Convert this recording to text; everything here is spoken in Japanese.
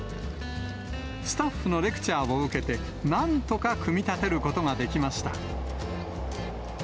スタッフのレクチャーを受けて、なんとか組み立てることができました。